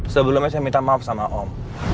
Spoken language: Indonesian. sebelumnya saya minta maaf sama om